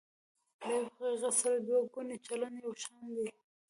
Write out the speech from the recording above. له یوه حقیقت سره دوه ګونی چلند یو شان دی.